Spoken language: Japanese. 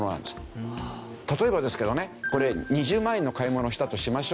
例えばですけどねこれ２０万円の買い物をしたとしましょうか。